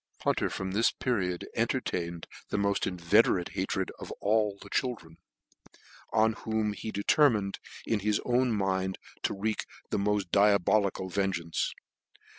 Hunter from this period entertained the moft inveterate hatred to all the children, on whom he determined in his own mind to wreak the moft diabolical vengeance.